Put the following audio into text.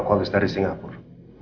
aku habis dari singapur